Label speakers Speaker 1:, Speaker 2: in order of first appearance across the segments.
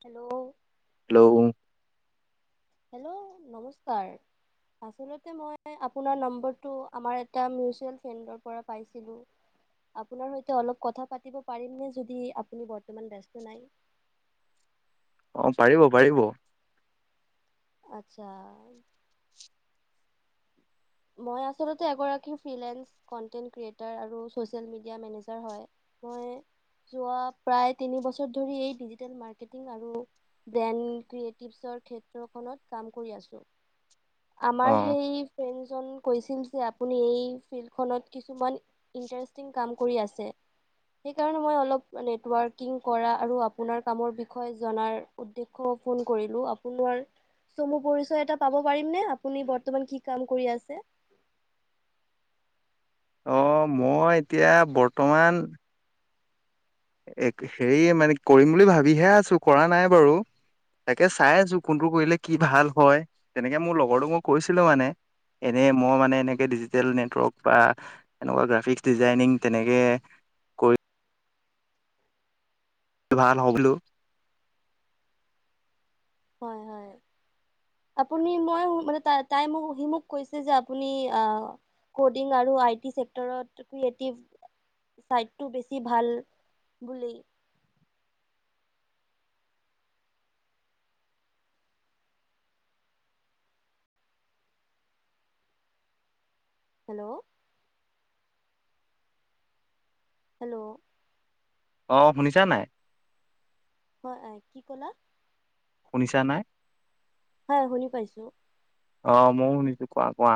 Speaker 1: Hello
Speaker 2: hello
Speaker 1: hello নমস্কাৰ। আচলতে মই আপোনাৰ নাম্বাৰ টো আমাৰ এটা মিউজেল ফ্ৰেণ্ডৰ পৰা পাইচিলো। আপোনাৰ সৈতে অলপ কথা পাতিব পাৰিমনে যদি আপুনি বৰ্তমান ব্যস্ত নাই। [inaudible]
Speaker 2: অ পাৰিব পাৰিব।
Speaker 1: আত্চ্ছা। মই আচলতে এগৰাকি ফিইনেল কন্তেন ক্ৰিটাৰ আৰু চছিয়েল মিডিয়াৰ মেনেজাৰ হয়। মই যোৱা প্ৰায় তিনি বছৰ ধৰি এই ডিজি মাধ্যমৰ আৰু ডেন ক্ৰিয়েটিভছৰ ক্ষেত্ৰখনত কাম কৰি আছো। আমাৰ সেই ফ্ৰেনছ- জন কৈছিল যে আপুনি এই ফিল্ডখনত কিছুমান ইণ্টাৰেষ্টিং কাম কৰি আছে। সেই কাৰণে মই অলপ নেটৱৰ্ক কৰা আৰু আপোনাৰ কামৰ বিষয়ে জনাৰ উদেশ- ফোণ কৰিলো আপোনাৰ চমু পৰিচয় এটা পাব পাৰিম নে আপুনি বৰ্তমান কি কাম কৰি আছ- যে
Speaker 2: অহ মই এতিয়া বৰ্তমান এ হেৰি মানে কৰিম বুলি ভাবিহে আছো কৰা নাই বাৰু। তাকে চাই আছো কোনটো কৰিলে কি ভাল হয় তেনেকে মোৰ লগৰটোক মই কৈছিলো মানে। এনেই মই মানে এনেকে ডিজিটেল নেটৱৰ্ক বা এনেকুৱা গ্ৰাফিক্স ডিজাইনিং তেনেকে কৈ ভাল হওঁক বোলোঁ।
Speaker 1: হয়, হয়। আপুনি মই মানে তাই তাই মোক সি মোক কৈছে যে আপুনি আহ কডিং আৰু আইটি চেক্টৰত তুমি এটিভ ছাইডটো বেছি ভাল বুলি হেল্ল' হেল্ল'
Speaker 2: অ শুনিছা নাই?
Speaker 1: হয় আহ কি কলা?
Speaker 2: শুনিছা নাই?
Speaker 1: হয় শুনি পাইছো।
Speaker 2: অ মইও শুনিছো। কোৱা কোৱা?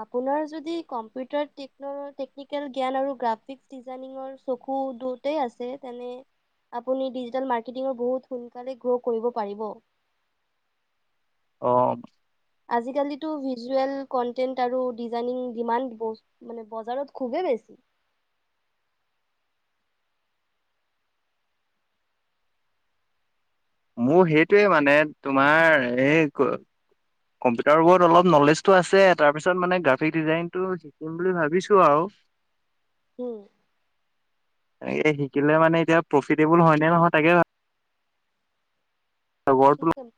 Speaker 1: আপোনাৰ যদি কম্পিউটাৰ টেকনৰৰ টেকনিকেল জ্ঞান আছে গ্ৰাফিক ডিজাইনিং চক খু দুতেই আছে তেনে আপুনি ডিজিটেল মাৰ্কেটিঙত বহুত সোনকালে গ্ৰ কৰিব পাৰিব।
Speaker 2: অ।
Speaker 1: আজিকালিতো ভিজুৱেল কনটেন্ট আৰু ডিজাইনিং ডিমাণ্ড মানে বজাৰত খুবেই বেছি। [inaudible]
Speaker 2: মোৰ সেইটোৱে মানে তোমাৰ এই ক- কম্পিউটাৰৰ ওপৰত অলপ নলেজটো আছে তাৰপিছত মানে গ্ৰাফিক ডিজাইনটো শিকিম বুলি ভাবিছো আও।
Speaker 1: হম।
Speaker 2: এ শিকিলে মানে এতিয়া প্ৰফিতেবল হয় নে নহয় ভাব
Speaker 1: কি ক'ল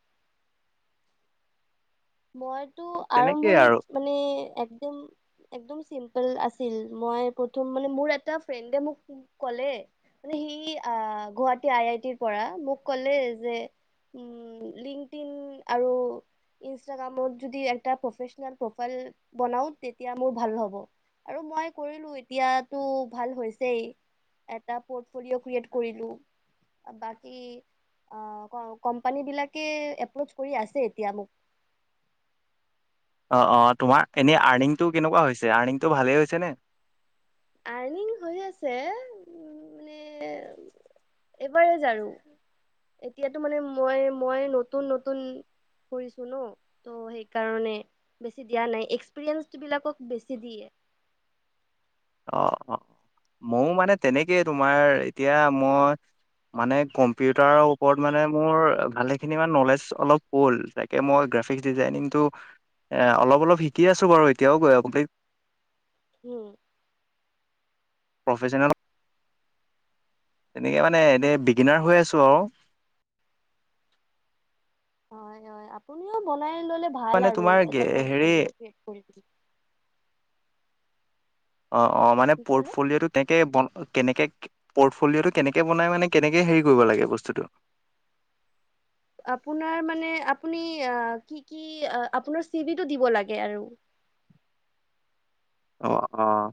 Speaker 1: মইতো
Speaker 2: তেনেকেই আৰু।
Speaker 1: আৰম্ভণিত মানে একদম একদম চিম্প- পল আছিল মই প্ৰথম মানে এটা ফ্ৰেড মোক ক'লে, মই সি আ গুৱহাটীৰ আই আই টিৰ পৰা, মোক কলে যে উম, লিংক টিন আৰু ইনষ্টাগ্ৰামত যদি এটা প্ৰফেচনেল প্ৰফাইল বনাও তেতিয়া মোৰ ভাল হ'ব। আৰু মই কৰিলো। এতিয়াটো ভাল হৈছেই। এটা [unintelligible] ক্ৰিয়েট কৰিলো। বাকী অ, অ কোম্পানী বিলাকে এপ্ৰচ কৰি আছে এতিয়া মোক।
Speaker 2: অ-অ তোমাৰ এনে আৰ্নিংটো কেনেকুৱা হৈছে? আৰ্নিংটো ভালেই হৈছেনে?
Speaker 1: আৰ্নিং হৈ আছে। উম মানে এভাৰেজ আৰু। এতিয়াটো মানে মই, মই নতুন নতুন কৰিছো ন? ত' সেই কাৰণে বেছি দিয়া নাই। এক্সপিৰিয়েনছ বিলাকক বেছি দিয়ে। [inaudible] [inaudible]
Speaker 2: মও মানে তেনেকেই তোমাৰ এতিয়া মই মানে কম্পিউটাৰৰ ওপৰত মানে মোৰ ভালেখিনি মান নলেজ অলপ হ'ল। তাকে মই গ্ৰাফিক ডিজাইনিংটো এ অলপ অলপ শিকি আছো বাৰু। এতিয়াও গৈ গোটেই
Speaker 1: উম।
Speaker 2: প্ৰফেচনেল তেনেকে মানে এনেই বিগিনাৰ হৈ আছো আৰু।
Speaker 1: [inaudible] হয়, হয়। আপুনিও বনাই ললে ভাল
Speaker 2: মানে
Speaker 1: আৰু
Speaker 2: তোমাৰ
Speaker 1: এটা পৰ্ট
Speaker 2: হেৰি
Speaker 1: পলিঅ ক্ৰিয়েট কৰি। কি
Speaker 2: অ, অ মানে
Speaker 1: ক'লে
Speaker 2: পৰ্টফলিঅ' টো তেকে বন কেনেকে পৰ্টফলিঅটো কেনেকে বনাই মানে কেনেকে হেৰি কৰিব লাগে বস্তুটো?
Speaker 1: [inaudible] আপোনাৰ মানে আপুনি কি কি আপোনাৰ চিবিটো দিব লাগে আৰু। [inaudible]
Speaker 2: অহ অহ।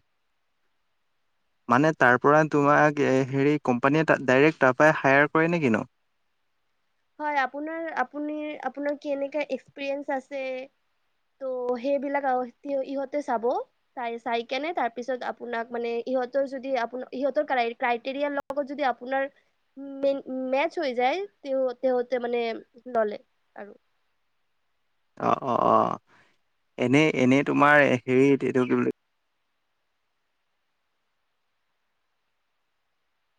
Speaker 2: মানে তাৰ পৰা তোমাক হেৰি কোম্পানীয়ে ডাইৰেক্ট তাৰপৰাই হায়াৰ কৰে নে কি নো?
Speaker 1: হয়‌, আপোনাৰ আপুনি আপোনাৰ কেনেকা এক্সপিৰিএন্স আছে তো' সেইবিলাক আও ইহঁতে চাব। চাই চাই কেনে তাৰপিছত আপোনাক মানে সিহঁতৰ যদি আপোনাৰ সিহঁতৰ ক্ৰাই-ক্ৰাইটেৰিয়াৰ লগত যদি আপোনাৰ উ মেন মেটচ হৈ যায় তেওঁ তেহতে মানে ললে আৰু।
Speaker 2: অ-অ-অ এনে এনেই তোমাৰ হেৰি এইটো কি বুলি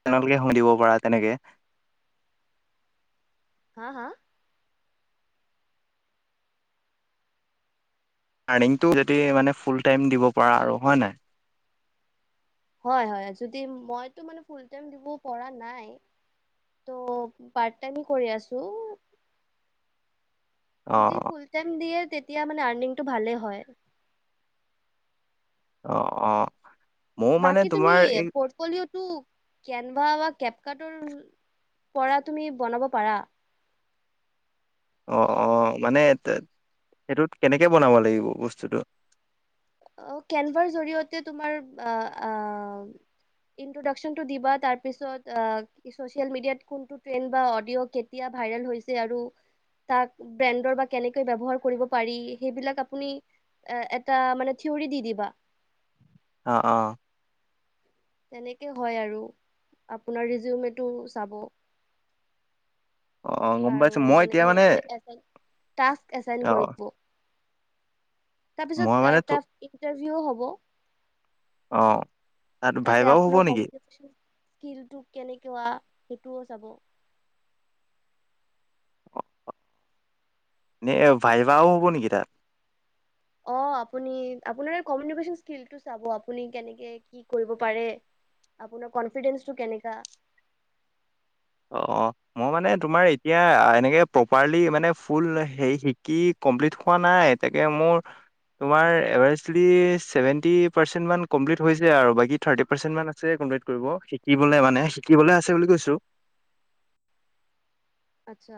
Speaker 2: [unintelligible] দিব পাৰা তেনেকে।
Speaker 1: হা, হা?
Speaker 2: আৰ্মিংটো যদি মানে ফুল টাইম দিব পাৰা আৰু হয় নাই?
Speaker 1: হয়, হয়। যদি মইটো মানে ফুল টাইম দিব পৰা নাই। তো' পাৰ্ট টাইম কৰি আছো।
Speaker 2: অ
Speaker 1: যদি ফুল টাইম দিয়ে তেতিয়া মানে আৰ্নিংটো ভালে হয়।
Speaker 2: অ, অ। ময়ো মানে
Speaker 1: বাকী তুমি
Speaker 2: তোমাৰ এই
Speaker 1: পৰ্টপলিওটো কেনভা বা কেপকাটৰ পৰা তুমি বনাব পাৰা।
Speaker 2: অ, অ মানে সেইটোত কেনেকে বনাব লাগিব বস্তুটো?
Speaker 1: অ, কেনভাৰ জৰিয়তে তোমাৰ আ আ ইন্ত্ৰডাকচনটো দিবা, তাৰপিছত কি চছিয়েল মিডিয়াত কোনটো ট্ৰেণ্ড বা অডিঅ' কেতিয়া ভাইৰেল হৈছে আৰু তাক ট্ৰেণ্ডৰ বা কেনেকে ব্যৱহাৰ কৰিব পাৰি সেইবিলাক আপুনি এটা মানে থিউৰি দি দিবা।
Speaker 2: অ, অ।
Speaker 1: তেনেকে হয় আৰু আপোনাৰ ৰিজিউমটো চাব।
Speaker 2: অ গম পাইছো
Speaker 1: আৰু
Speaker 2: মই
Speaker 1: মানে
Speaker 2: এতিয়া
Speaker 1: সিহঁতে টাস্ক এছাইন
Speaker 2: অ
Speaker 1: কৰিব।
Speaker 2: মই
Speaker 1: তাৰপিছত
Speaker 2: মানে
Speaker 1: এটা ইন্টাৰভিউ হ'ব।
Speaker 2: অ। তাত
Speaker 1: তাতে
Speaker 2: ভাইভাও হ'ব
Speaker 1: আপোনাৰ
Speaker 2: নেকি?
Speaker 1: Competitive issue. স্কিলটো কেনেকুৱা সেইটোও চাব।
Speaker 2: নে ভাই ভাও হ'ব নেকি তাত?
Speaker 1: অ, আপুনি আপোনাৰ কমিউনিকেচন স্কিলটো চাব আপুনি কেনেকে কি কৰিব পাৰে। আপোনাৰ কনফিডেঞ্চটো কেনেকা।
Speaker 2: অ মই মানে তোমাৰ এতিয়া এনেকে প্ৰপাৰলি মানে ফুল সেই শিকি কমপ্লিট খোৱা নাই তাকে মোৰ তোমাৰ এভাইলি চেভেন্টি পাৰ্চেন্ট কমপ্লিট হৈছে আৰু বাকী থাৰ্টি পাৰ্চেট আছে। কমল্পিট কৰিব মানে শিকিবলৈ আছে বুলি কৈছো।
Speaker 1: আচ্ছা।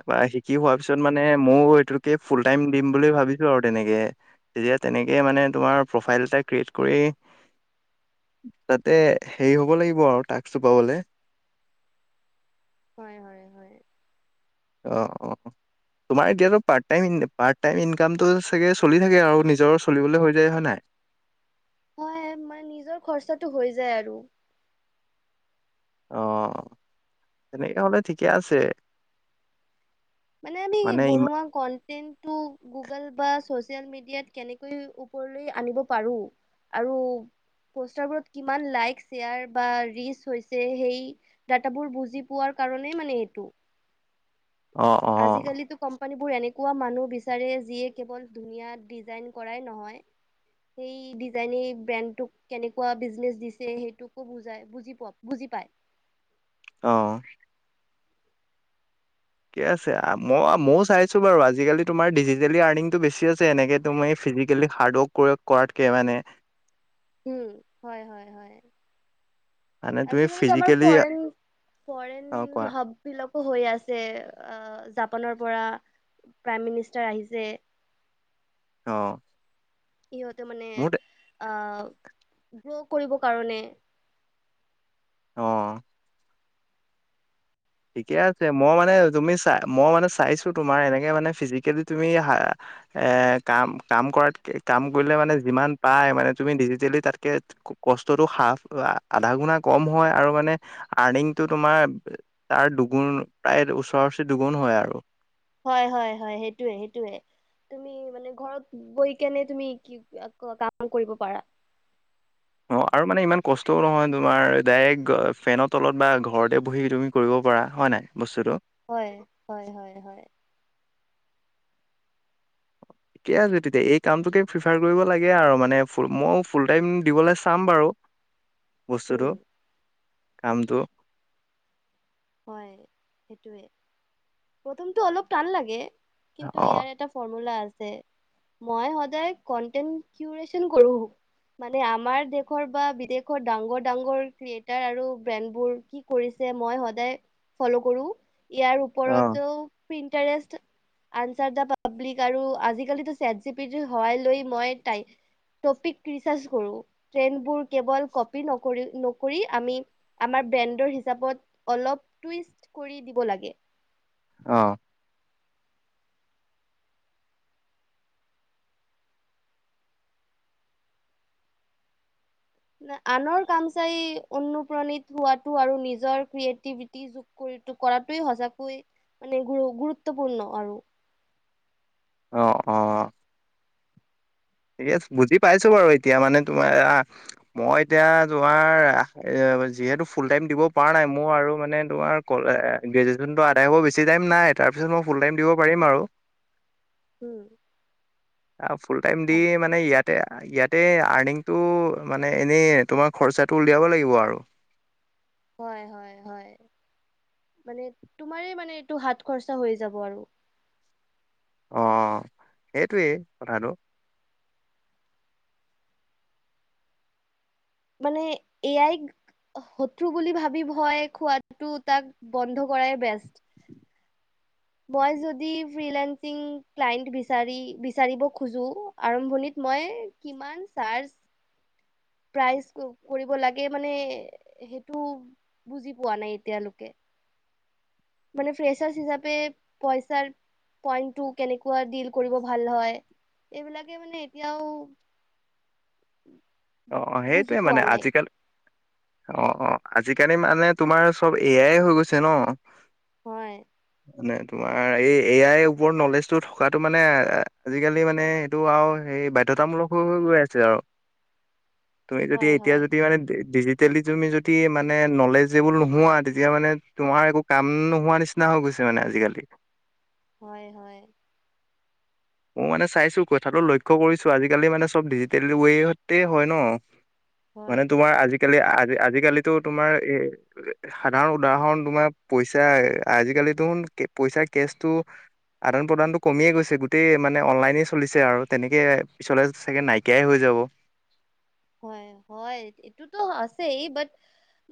Speaker 2: তাপা শিকি হোৱাৰ পিছত মানে ময়ো এইটোকে ফুল টাইম দিম বুলি ভাবিছো আৰু তেনেকে তেতিয়া তেনেকে মানে তোমাৰ প্ৰফাইল এটা ক্ৰিয়েট কৰি
Speaker 1: [inaudible]
Speaker 2: তাতে হেৰি হ'ব লাগিব আৰু টাস্কটো পাবলে।
Speaker 1: হয়, হয়, হয়।
Speaker 2: অ, অ। তোমাৰ এতিয়াটো পাৰট টাইম পাৰট টাইম ইনকামটো চাগে চলি থাকে আও নিজৰ চলিবলৈ হৈ যায় হয় নাই?
Speaker 1: হয় মান নিজৰ খৰচাটো হৈ যায় আৰু।
Speaker 2: অ, তেনেকে হলে ঠিকে আছে।
Speaker 1: মানে আমি বনোৱা কন্টেনটো গুগল বা ছচিয়েল মিডিয়াত কেনেকৈ ওপৰলৈ আনিব পাৰো আৰু পষ্টাৰ বোৰ কিমান লাইক চেয়াৰ বা ৰিছ হৈছে সেই দাতা বোৰ বুজি পোৱাৰ কাৰণে মানে এইটো
Speaker 2: অ অ
Speaker 1: আজিকালিতো কম ম্পানীৰবোৰ এনেকুৱা মানুহ বিচাৰে যিয়ে কেৱল ধুনীয়া ডিজাইন কৰাই নহয়, সেই ডিজাইনে ব্ৰেনটো কেনেকুৱা বিজনেছ সেইটোকো বুজাই, বুজি পপ, বুজি পায়। [inaudible]
Speaker 2: অহ। ঠিকে আছে আ, মই ময়ো চাইছো বাৰু আজিকালি তোমাৰ ডিজিটেলি আৰ্নিংটো বেছি আছে এনেকে তুমি ফিজিকেলি হাৰ্ড ৱৰ্ক কৰাতকে মানে
Speaker 1: হম, হয়, হয়, হয়।
Speaker 2: মানে তুমি
Speaker 1: আজিকালিটো আমাৰ
Speaker 2: ফিজিকেলি
Speaker 1: ফৰেন ফৰেন
Speaker 2: অ কোৱা
Speaker 1: হাব বিলাক হৈ আছে আহ জাপানৰ পৰা। প্ৰাইম মিনিষ্টাৰ আহিছে।
Speaker 2: হঅ।
Speaker 1: সিহঁতে মানে আহ গ্ৰ' কৰিবৰ কাৰণে।
Speaker 2: অহ। ঠিকে আছে মই মানে তুমি চাই মই মানে চাইছো তোমাৰ এনেকে মানে ফিজিকেলি তুমি হা- এ, কাম কাম কৰাতকে কাম কৰিলে মানে যিমান পাই মানে তুমি ডিজিটেলি তাতকে কষ্টতটো হাফ আধা গুণা কম হয় আৰু মানে আৰ্নিংটো তোমাৰ তাৰ দুগুণ প্ৰায় ওচৰা ওচৰি দুগুণ হয় আৰু।
Speaker 1: হয় হয় হয় সেইটোৱে সেইটোৱে। তুমি মানে ঘৰত গৈ কেনে তুমি কি কাম কৰিব পাৰা।
Speaker 2: অ আৰু মানে ইমান কষ্টও নহয় তোমাৰ ডাইৰেক্ট ফেনৰ তলত বা ঘৰতে বহি তুমি কৰিব বৰা হয় নাই। বস্তুটো
Speaker 1: হয় হয় হয় হয়। [inaudible]
Speaker 2: ঠিকে আছে তেতিয়া এই কামটোকে প্ৰিফাৰ কৰিব লাগে আৰু মানে মই ফুল টাইম দিবলৈ চাম বাৰু
Speaker 1: উম
Speaker 2: বস্তুটো, কামটো।
Speaker 1: হয় সেইটোৱে, প্ৰথমটো অলপ টান লাগে।
Speaker 2: অ',
Speaker 1: কিন্তু ইয়াৰ এটা ফৰ্মুলা আছে। যে মই সদায় কনটেন্ত্ ক্ৰীয়েচন কৰো। মানে আমাৰ দেশৰ বা বিদেশৰ ডাঙৰ -ডাঙৰ ক্ৰিয়েটাৰ আৰু ব্ৰেণ্ডবোৰ কি কৰিছে। মই সদায় ফ'ল' কৰো, ইয়াৰ
Speaker 2: অ',
Speaker 1: ওপৰতো ইণ্টাৰেষ্ট আনাচাৰ পাব্লিক আৰু আজিকালিতো চেট জি পি টিৰ সহায় লৈই মই টপিক ৰিচাৰ্জ কৰোঁ ট্ৰেনড বোৰ কেৱল কপি নকৰি আমি আমাৰ বেণ্ডৰ হিচাপত অলপ টুইষ্ট কৰি দিব লাগে
Speaker 2: অ।
Speaker 1: আনৰ কাম চাই অনুপ্ৰাণিত হোৱাটো আৰু নিজৰ ক্ৰিয়েটিভিটি যোগ কৰি কৰাটো সঁচাকৈ মানে গ গুৰুত্বপূৰ্ণ আৰু
Speaker 2: অ, অ য়েছ, বুজি পাইছো বাৰু এতিয়া মানে তোমাৰ আহ মই এতিয়া তোমাৰ যিহেতু ফুল টাইম দিব পৰা নাই মোৰ আৰু মানে তোমাৰ কলে গ্ৰেজুৱেচনটো আদাই হ'ব বেছি টাইম নাই। তাৰ পিছত মই ফুল টাইম দিব পাৰিম আৰু।
Speaker 1: উম।
Speaker 2: আহ ফুল টাইম দি
Speaker 1: ভাল
Speaker 2: মানে ইয়াত। ইয়াতে আৰ্নিংটো মানে এনেই তোমাৰ খৰচাটো উলিয়াব লাগিব আৰু
Speaker 1: হয়, হয়, হয়। মানে তোমাৰে মানে এইটো হাত খৰচা হৈ যাব আৰু
Speaker 2: অ, সেইটোৱেই কথাটো।
Speaker 1: মানে এ আইক শত্ৰু বুলি ভাবি ভয় খোৱাটো তাক বন্ধ কৰায়ে বেষ্ট। [inaudible] মই যদি ফ্ৰী লেন্সিং ক্লাইন্ত বিছাৰি, বিচাৰিব খোজোঁ, আৰম্ভনিত মই কিমান চাৰ্জ প্ৰাইজ কৰিব লাগে মানে, সেইটো বুজি পোৱা নাই এতিয়ালৈকে মানে ফ্ৰেচাৰছ হিচাপে পইচাৰ পইন্টটো কেনেকুৱা ডিল কৰিব ভাল হয় এইবিলাকে মানে এতিয়াও [inaudible]
Speaker 2: অ, অ
Speaker 1: বুজি
Speaker 2: সেইটোৱে
Speaker 1: পোৱা
Speaker 2: মানে
Speaker 1: নাই
Speaker 2: আজিকালি অ, অ, আজিকালি মানে তোমাৰ চব এয়াই হৈ গৈছে ন?
Speaker 1: হয়।
Speaker 2: মানে তোমাৰ এই এ আইৰ ওপৰত নলেজটো থকাতটো মানে আজিকালি মানে এইটো আৰু এই বাধ্যতামূলক হৈ, হৈ গৈ আছে আও তুমি যদি
Speaker 1: হয়
Speaker 2: এতিয়া
Speaker 1: হয়
Speaker 2: যদি মানে ডি তেলি তুমি যদি মানে নলেজেবল নোহোৱা তেতিয়া মানে তোমাৰ একো কাম নোহোৱা নিচিনা হৈ গৈছে। মানে আজিকালি
Speaker 1: হয়, হয়।
Speaker 2: মই মানে চাইছো কথাটো লক্ষ্য কৰিছো আজিকালি মানে চব ডিজিটেল ৱেতে হয় ন।
Speaker 1: হয়
Speaker 2: মানে তোমাৰ আজি আজিকালি- আজি -আজিকালিটো তোমাৰ এ সাধাৰণ উদাহৰণ তোমাৰ পইচা আজিকালি আজিকালি দেখোন পইচা কেছ টো আদান প্ৰদানটো কমিয়ে গৈছে, গো গোটেই মানে অনলাইনে চলিছে আৰু তেনেকে পিছলে চাগে নাইকিয়াই হৈ যাব।
Speaker 1: হয় হয়, এইটোতো আছেই। বাট,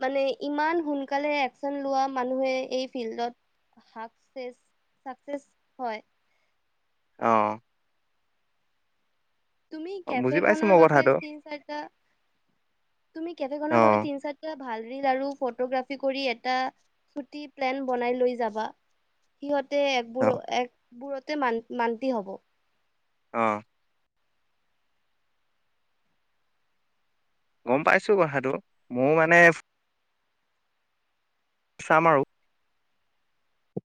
Speaker 1: মানে ইমান সোনকালে এক্সন লোৱা মানুহে এই ফিল্ডত - [unintelligible] হয়।
Speaker 2: অহ।
Speaker 1: তুমি কেফে
Speaker 2: বুজি পাইছো
Speaker 1: খনৰ
Speaker 2: মই
Speaker 1: বাবে
Speaker 2: কথাটো
Speaker 1: তিন চাৰিটা, তুমি কেফে
Speaker 2: অ
Speaker 1: খনৰ বাবে তিন চাৰিটা ভাল ৰিল আৰু ফটোগ্ৰাফী কৰি এটা [unintelligible] প্লেন বনাই লৈ যাবা। সিহঁতে
Speaker 2: অ
Speaker 1: একবোৰ, একবোৰতে মান মান্তি হব।
Speaker 2: অ'হ। গম পাইছোঁ কথাটো, মোৰ মানে চাম আৰু।